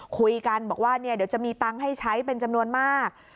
คุยกันบอกว่าเดี๋ยวจะมีตังค์ให้ใช้เป็นจำนวนมาก